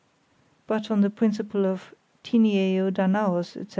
But, on the principle of timeo Danaos etc.